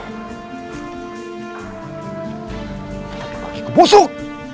tapi bagiku busuk